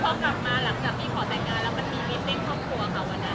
พอกลับมาหลังจากที่ขอแต่งงานแล้วมันมีไม่เป็นครอบครัวค่ะวันนั้น